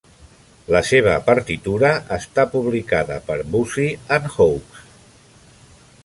La seva partitura està publicada per Boosey and Hawkes.